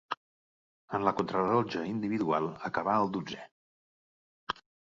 En la contrarellotge individual acabà el dotzè.